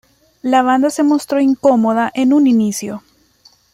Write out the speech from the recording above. La banda se mostró incomoda en un inicio.